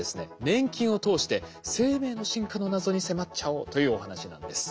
粘菌を通して生命の進化の謎に迫っちゃおうというお話なんです。